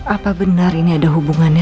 apa benar ini ada hubungannya